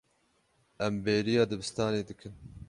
Em bêriya dibistanê dikin.